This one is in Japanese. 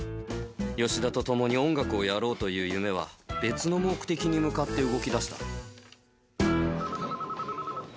吉田と共に音楽をやろうという夢は、別の目的に向かって動きだした。